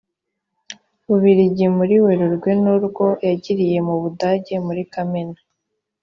bubiligi muri werurwe n urwo yagiriye mu budage muri kamena